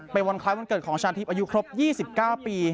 เป็นวันคล้ายวันเกิดของชาญทิพย์อายุครบ๒๙ปี